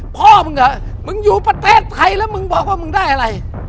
พ่อมึงเหรอมึงอยู่ประเทศไทยแล้วมึงบอกว่ามึงได้อะไร